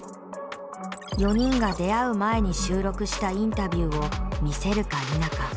４人が出会う前に収録したインタビューを見せるか否か。